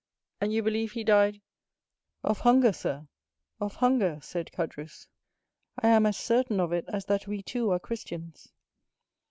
"And you believe he died——" "Of hunger, sir, of hunger," said Caderousse. "I am as certain of it as that we two are Christians."